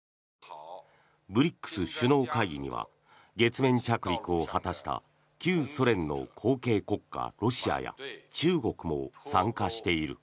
ＢＲＩＣＳ首脳会議には月面着陸を果たした旧ソ連の後継国家、ロシアや中国も参加している。